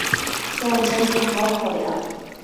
希望将军能好好考量！